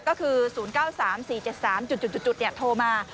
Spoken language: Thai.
ก็คือ๐๙๓๔๗๓๐โทรมา